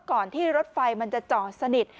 ก่อนที่รถไฟมันจะจอดสนิท